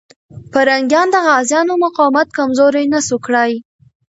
پرنګیان د غازيانو مقاومت کمزوری نسو کړای.